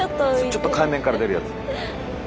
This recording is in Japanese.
ちょっと海面から出るやつ。